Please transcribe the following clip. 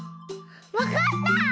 わかった！